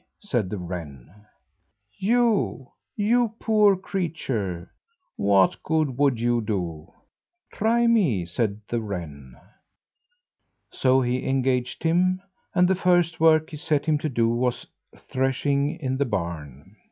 said the wren. "You, you poor creature, what good would you do?" "Try me," said the wren. So he engaged him, and the first work he set him to do was threshing in the barn.